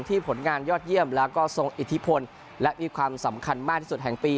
ผลงานยอดเยี่ยมแล้วก็ทรงอิทธิพลและมีความสำคัญมากที่สุดแห่งปี